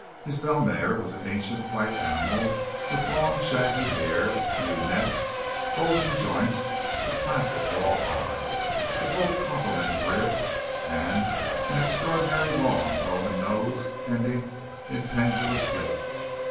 His bell mare was an ancient white animal with long shaggy hair, ewe neck, bulging joints, a placid wall eye, the full complement of ribs, and an extraordinarily long Roman nose ending in a pendulous lip.